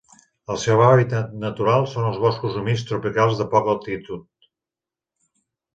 El seu hàbitat natural són els boscos humits tropicals de poca altitud.